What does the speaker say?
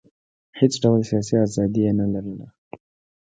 هېڅ ډول سیاسي ازادي یې نه لرله.